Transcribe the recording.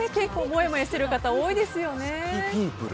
もやもやしている人多いですよね。